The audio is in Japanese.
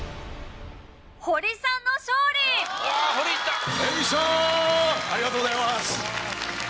ありがとうございます。